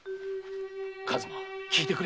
数馬聞いてくれ。